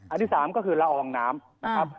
ที่๓ก็คือละอองน้ำนะครับ